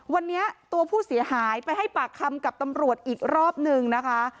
วันนี้ตัวผู้เสียหายไปให้ปากคำกับตำรวจอีกรอบนึงนะคะ